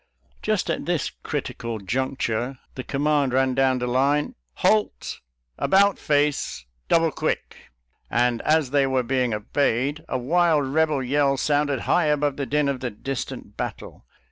Just at this critical juncture the command ran down the line, " Halt — .About face— r Double quick !" and as they were being obeyed, a wild, Eebel yell sounded high above the din of the dis tant battle.